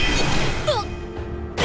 あっ